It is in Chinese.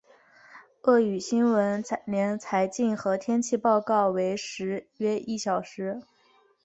粤语新闻连财经和天气报告为时约一小时。